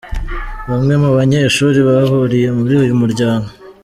Bamwe mu banyeshuri bahuriye muri uyu muryango.